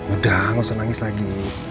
udah gak usah nangis lagi